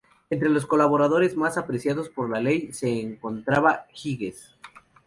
Entre los colaboradores más apreciados por el rey, se encontraba Giges.